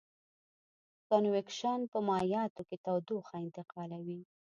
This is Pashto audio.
کنویکشن په مایعاتو کې تودوخه انتقالوي.